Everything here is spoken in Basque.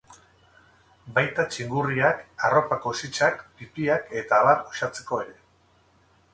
Baita txingurriak, arropako sitsak, pipiak eta abar uxatzeko ere.